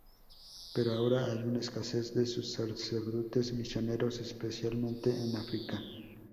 Pero ahora hay una escasez de sacerdotes misioneros, especialmente en África.